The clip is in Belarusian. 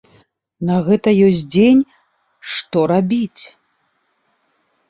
На гэта ёсць дзень, што рабіць?